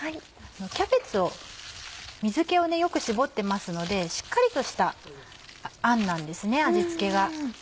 キャベツを水気をよく絞ってますのでしっかりとしたあんなんです味付けが。